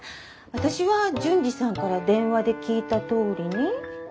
私は順次さんから電話で聞いたとおりに。